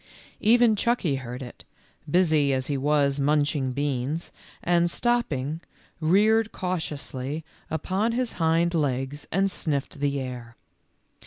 Even Chucky heard it, busy as he was munching beans, and stopping, reared cautiously upon his hind legs and sniffed the air.